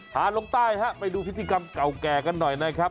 ลงใต้ฮะไปดูพิธีกรรมเก่าแก่กันหน่อยนะครับ